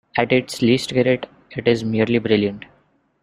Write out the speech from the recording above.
At its least great, it is merely brilliant...